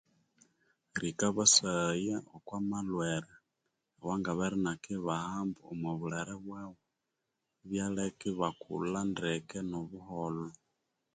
Rikabasaya okwa malhwera awangabere inakibahamba omwa bulere bwabu ibyaleka ibakulha ndeke no buholho